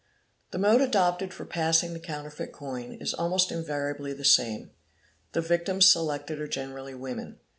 "'he mode adopted for passing the counterfeit coin is almost invar ably the same: the victims selected are generally women.